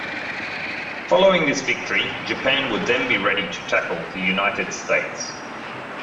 Following this victory, Japan would then be ready to tackle the United States.